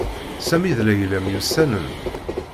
Sami d Layla myussanen.